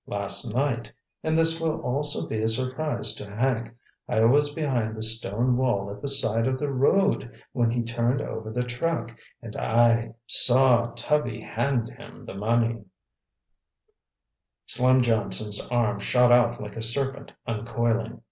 Last night—and this will also be a surprise to Hank—I was behind the stone wall at the side of the road when he turned over the truck, and I saw Tubby hand him the money." Slim Johnson's arm shot out like a serpent uncoiling.